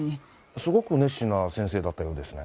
すごく熱心な先生だったようですね。